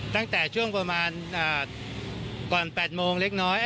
ตั้งแต่ช่วงประมาณก่อน๘โมงเล็กน้อย